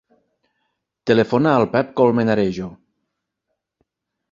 Telefona al Pep Colmenarejo.